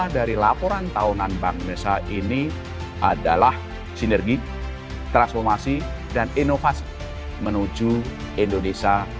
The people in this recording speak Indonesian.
dari laporan tahunan bangsa ini adalah sinergi transformasi dan inovasi menuju indonesia